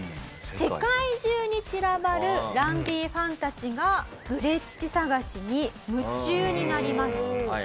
世界中に散らばるランディファンたちがグレッチ探しに夢中になります。